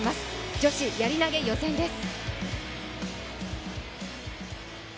女子やり投、予選です。